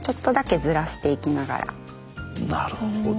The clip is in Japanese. なるほど。